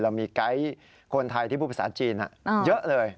เรามีไกด์คนไทยที่พูดภาษาจีนเยอะเลย